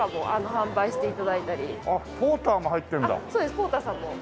ポーターさんも。